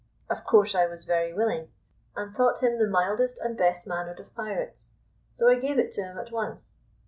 Of course I was very willing, and thought him the mildest and best mannered of pirates; so I gave it to him at once.